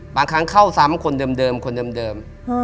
บางครั้งเข้าซ้ำคนเดิมคนเดิม